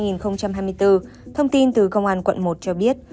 ngày hai mươi chín tháng ba năm hai nghìn hai mươi bốn thông tin từ công an quận một cho biết